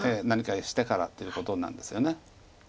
何かしてからということなんですよね。